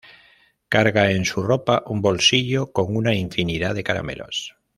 Carga en su ropa un bolsillo con una infinidad de caramelos.